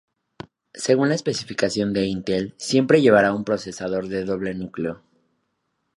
Según la especificación de Intel, siempre llevará un procesador de doble núcleo.